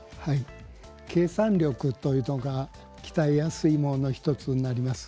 計算力というのが鍛えやすいものの１つになります。